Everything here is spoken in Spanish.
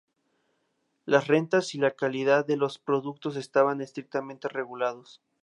Las rentas y la calidad de los productos estaban estrictamente regulados.